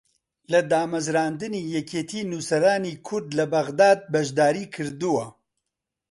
لە دامەزراندنی یەکێتی نووسەرانی کورد لە بەغداد بەشداری کردووە